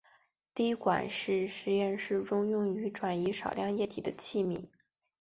滴管是实验室中用于转移少量液体的器皿。